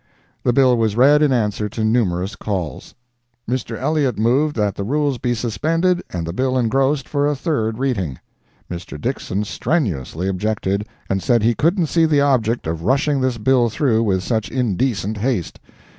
] The bill was read in answer to numerous calls. Mr. Elliott moved that the rules be suspended and the bill engrossed for a third reading. Mr. Dixson strenuously objected, and said he couldn't see the object of rushing this bill through with such indecent haste.